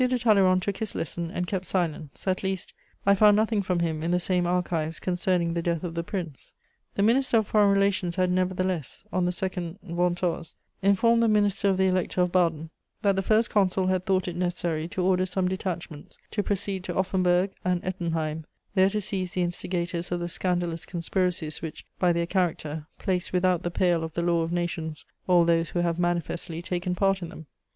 de Talleyrand took his lesson, and kept silence; at least, I found nothing from him in the same archives concerning the death of the Prince. The Minister of Foreign Relations had nevertheless, on the 2 Ventôse, informed the Minister of the Elector of Baden "that the First Consul had thought it necessary to order some detachments to proceed to Offenburg and Ettenheim, there to seize the instigators of the scandalous conspiracies which, by their character, place without the pale of the Law of Nations all those who have manifestly taken part in them."